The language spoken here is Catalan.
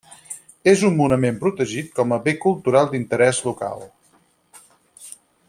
És un monument protegit com a Bé Cultural d'Interès Local.